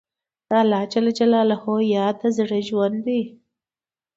د خدای یاد د زړه ژوند دی.